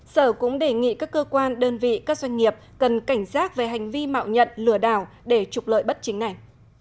sở cũng đề nghị các cơ quan đơn vị các doanh nghiệp cần cảnh giác về hành vi mạo nhận lừa đảo để trục lợi bất chính này